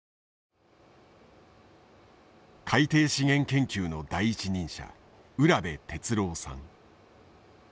海底資源研究の第一人者浦辺徹郎さん。